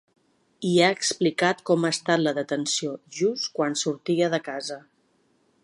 I ha explicat com ha estat la detenció, just quan sortia de casa.